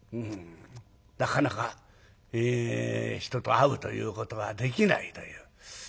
なかなか人と会うということはできないという。